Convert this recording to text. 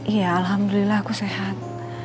iya alhamdulillah aku sehat